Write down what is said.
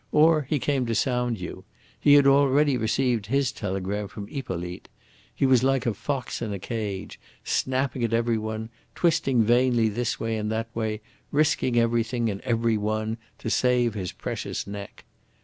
Or he came to sound you. He had already received his telegram from Hippolyte. He was like a fox in a cage, snapping at every one, twisting vainly this way and that way, risking everything and every one to save his precious neck.